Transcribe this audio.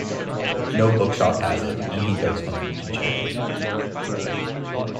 No bookshop has it, and he goes home dejected.